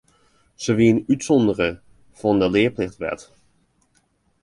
Sy wienen útsûndere fan de learplichtwet.